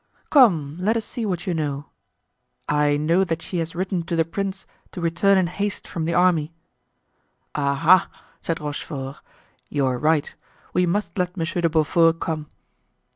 "Come, let us see what you know." "I know that she has written to the prince to return in haste from the army." "Ah! ha!" said Rochefort, "you are right. We must let Monsieur de Beaufort come."